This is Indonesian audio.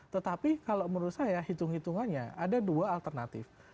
tetapi kalau menurut saya hitung hitungannya ada dua alternatif